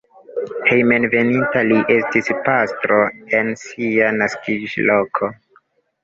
Hejmenveninta li estis pastro en sia naskiĝloko.